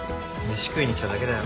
飯食いに来ただけだよ。